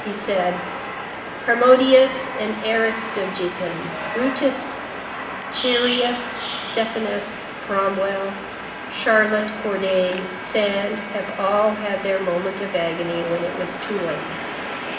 He said:— "Harmodius and Aristogiton, Brutus, Chereas, Stephanus, Cromwell, Charlotte Corday, Sand, have all had their moment of agony when it was too late.